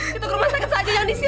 kita ke rumah sakit saja yang di sini